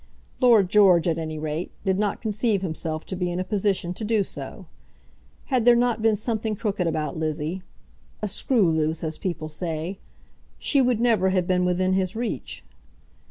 Lord George, at any rate, did not conceive himself to be in a position to do so. Had there not been something crooked about Lizzie, a screw loose, as people say, she would never have been within his reach.